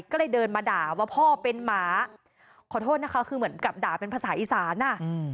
ก็เลยเดินมาด่าว่าพ่อเป็นหมาขอโทษนะคะคือเหมือนกับด่าเป็นภาษาอีสานอ่ะอืม